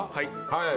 はい。